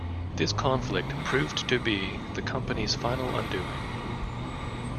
This conflict proved to be the company's final undoing.